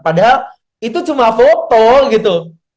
padahal itu cuma foto gitu